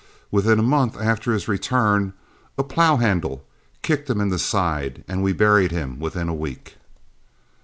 Within a month after his return, a plough handle kicked him in the side and we buried him within a week."